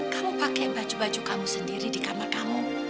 kamu pakai baju baju kamu sendiri di kamar kamu